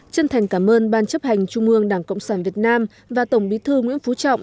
chân thành cảm ơn ban chấp hành trung ương đảng cộng sản việt nam và tổng bí thư nguyễn phú trọng